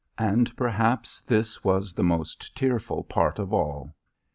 And perhaps this was the most tearful part of all.